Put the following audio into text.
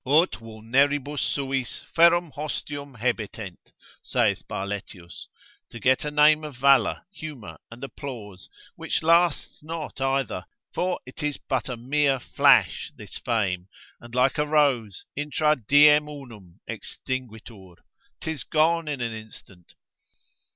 ut vulneribus suis ferrum hostium hebetent, saith Barletius, to get a name of valour, humour and applause, which lasts not either, for it is but a mere flash this fame, and like a rose, intra diem unum extinguitur, 'tis gone in an instant.